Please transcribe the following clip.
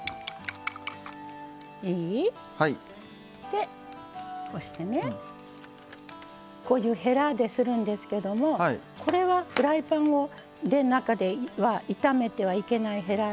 でこうしてねこういうへらでするんですけどもこれはフライパンの中では炒めてはいけないへらね。